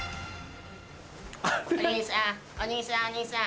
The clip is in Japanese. お兄さんお兄さん。